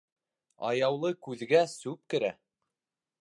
Аяулы күҙгә сүп керә.